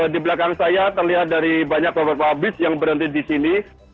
di belakang saya terlihat dari banyak beberapa bis yang berhenti di sini